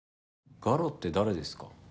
ガロって誰ですか？